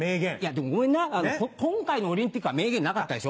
でもごめんな今回のオリンピックは名言なかったでしょ。